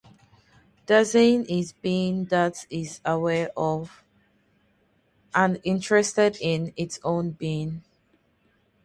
Dasein is Being that is aware of, and interested in, its own Being.